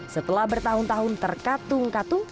setelah bertahun tahun terkatung katung